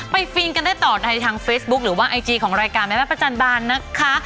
ฟินกันได้ต่อในทางเฟซบุ๊คหรือว่าไอจีของรายการแม่บ้านประจันบานนะคะ